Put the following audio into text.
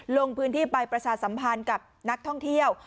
ลงพื้นที่ไปประชาสัมพันธ์กับนักท่องเที่ยว